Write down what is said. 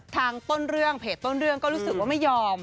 ต้นเรื่องเพจต้นเรื่องก็รู้สึกว่าไม่ยอม